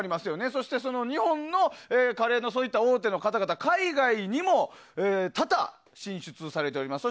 そして日本のカレーのそういった大手の方々海外にも多々進出されています。